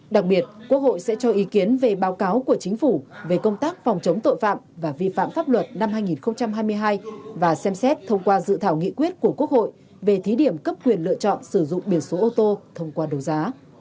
đặc biệt quốc hội sẽ cho ý kiến về báo cáo của chính phủ về công tác phòng chống tội phạm và vi phạm pháp luật năm hai nghìn hai mươi hai và xem xét thông qua dự thảo nghị quyết của quốc hội về thí điểm cấp quyền lựa chọn sử dụng biển số ô tô thông qua đấu giá